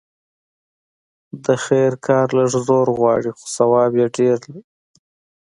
د خير کار لږ زور غواړي؛ خو ثواب ډېر لري.